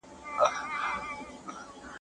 اقتصادي وده د هېوادونو حیثیت لوړوي.